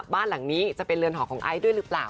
บ้านหลังนี้จะเป็นเรือนหอของไอซ์ด้วยหรือเปล่า